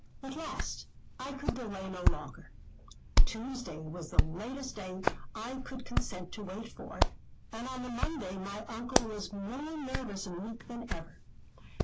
At last, I could delay no longer. Tuesday was the latest day I could consent to wait for, and on the Monday my Uncle was more nervous and weak than ever.